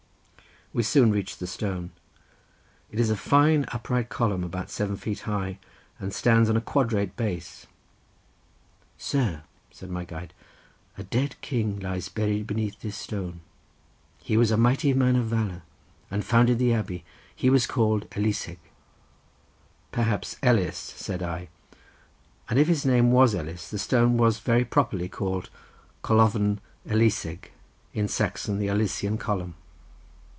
We soon reached the stone. It is a fine upright column about seven feet high, and stands on a quadrate base. "Sir," said my guide, "a dead king lies buried beneath this stone. He was a mighty man of valour and founded the abbey. He was called Eliseg." "Perhaps Ellis," said I, "and if his name was Ellis his stone was very properly called Colofn Eliseg, in Saxon the Ellisian column."